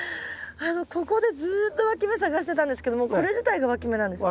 ここでずっとわき芽探してたんですけどもうこれ自体がわき芽なんですか？